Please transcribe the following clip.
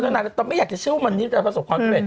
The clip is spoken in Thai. ตอนแรกเธอก็ไม่อยากเชื่อว่ามันนี้ตั้งแต่ส่วนที่สบาย